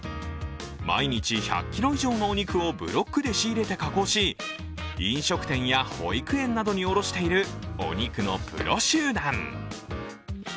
毎日１００ｋｇ以上のお肉をブロックで仕入れて加工し、飲食店や保育園などに卸しているお肉のプロ集団。